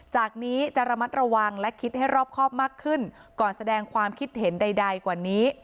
จากนี้จะระมัดระวังและคิดให้รอบครอบมากขึ้นก่อนแสดงความคิดเห็นใดกว่านี้